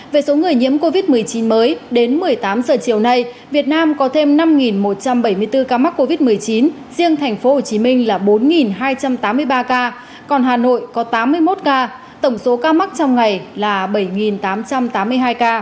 về số người nhiễm covid một mươi chín mới đến một mươi tám h chiều nay việt nam có thêm năm một trăm bảy mươi bốn ca mắc covid một mươi chín riêng tp hcm là bốn hai trăm tám mươi ba ca còn hà nội có tám mươi một ca tổng số ca mắc trong ngày là bảy tám trăm tám mươi hai ca